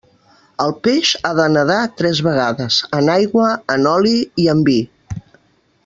El peix ha de nadar tres vegades: en aigua, en oli i en vi.